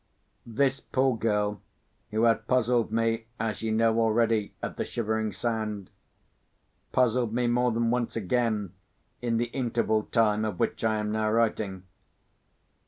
This poor girl—who had puzzled me, as you know already, at the Shivering Sand—puzzled me more than once again, in the interval time of which I am now writing.